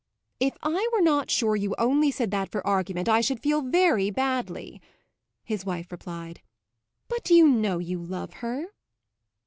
"If I were not sure you only said that for argument I should feel very badly," his wife replied. "But you know you love her."